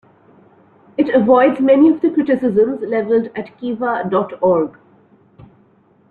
It avoids many of the criticisms levelled at Kiva dot org.